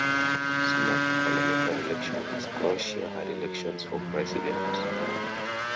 Soon after parliamentary elections, Croatia had elections for president.